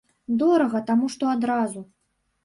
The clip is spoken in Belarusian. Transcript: Дорага, таму што адразу.